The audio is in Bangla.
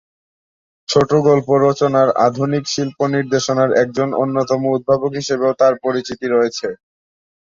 ছোটগল্প রচনার আধুনিক শিল্প নির্দেশনার একজন অন্যতম উদ্ভাবক হিসেবেও তার পরিচিতি রয়েছে।